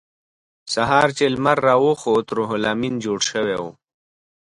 سهار چې لمر راوخوت روح لامین جوړ شوی و